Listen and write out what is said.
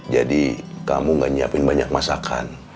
jadi kamu gak nyiapin banyak masakan